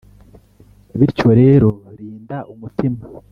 Bityo rero rinda umutima